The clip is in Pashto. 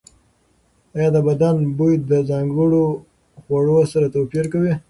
ایا د بدن بوی د ځانګړو خوړو سره توپیر کوي؟